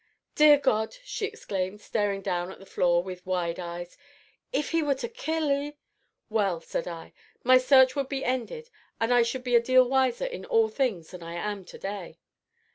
"Dear God!" she exclaimed, staring down at the floor with wide eyes, "if he were to kill 'ee !" "Well," said I, "my search would be ended and I should be a deal wiser in all things than I am to day."